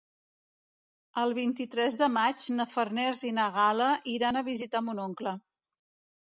El vint-i-tres de maig na Farners i na Gal·la iran a visitar mon oncle.